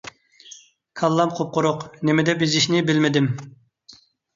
كاللام قۇپقۇرۇق! نېمىدەپ يېزىشنى بىلمىدىم.